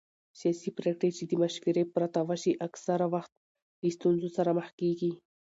سیاسي پرېکړې چې د مشورې پرته وشي اکثره وخت له ستونزو سره مخ کېږي